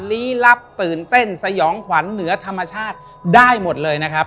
ลี้ลับตื่นเต้นสยองขวัญเหนือธรรมชาติได้หมดเลยนะครับ